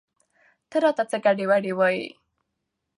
ته راته څه ګډې وګډې وايې؟